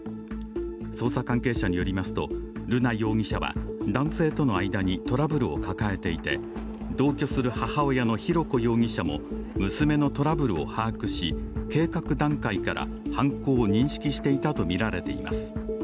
捜査関係者によりますと瑠奈容疑者は男性との間にトラブルを抱えていて、同居する母親の浩子容疑者も娘のトラブルを把握し、計画段階から犯行を認識していたとみられています。